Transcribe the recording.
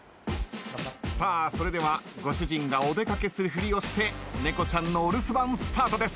さあそれではご主人がお出掛けするふりをして猫ちゃんのお留守番スタートです。